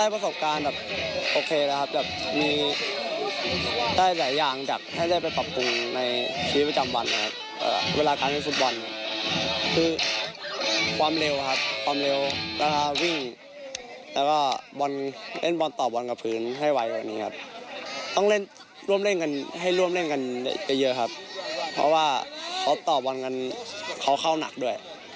เพราะว่าเขาตอบวันกันเขาเข้าหนักด้วย